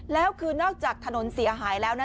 แล้วคือนอกจากถนนเสียหายแล้วนะ